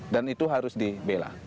dan itu harus dibela